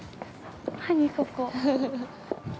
何ここ。